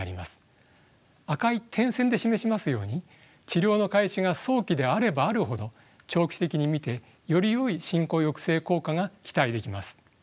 赤い点線で示しますように治療の開始が早期であればあるほど長期的に見てよりよい進行抑制効果が期待できます。